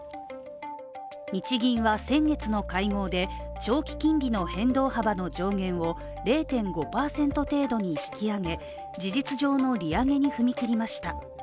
日銀は先月の会合で長期金利の変動幅の上限を０．５％程度に引き上げ事実上の利上げに踏み切りました。